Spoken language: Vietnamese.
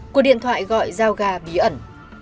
cuộc điện thoại gọi giao gà bí ẩn